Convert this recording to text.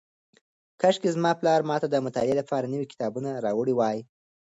کاشکې زما پلار ماته د مطالعې لپاره نوي کتابونه راوړي وای.